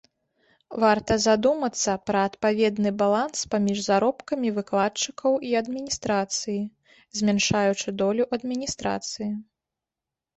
Варта задумацца пра адпаведны баланс паміж заробкамі выкладчыкаў і адміністрацыі, змяншаючы долю адміністрацыі.